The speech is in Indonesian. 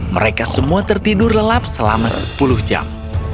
mereka semua tertidur lelap selama sepuluh jam